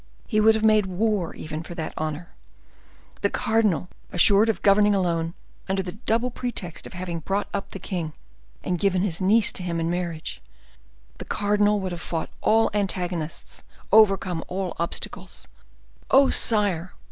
He would have made war even for that honor; the cardinal, assured of governing alone, under the double pretext of having brought up the king and given his niece to him in marriage—the cardinal would have fought all antagonists, overcome all obstacles. Oh, sire!